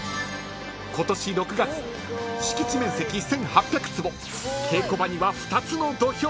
［今年６月敷地面積１，８００坪稽古場には］